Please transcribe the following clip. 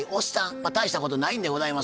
まあ大したことないんでございますが。